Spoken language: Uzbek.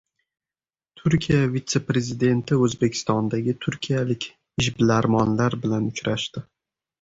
Turkiya vitse-prezidenti O‘zbekistondagi turkiyalik ishbilarmonlar bilan uchrashdi